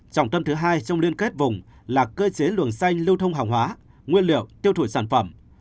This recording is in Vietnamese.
trọng tâm thứ hai trong liên kết vùng là cơ chế luồng xanh lưu thông hàng hóa nguyên liệu tiêu thụ sản phẩm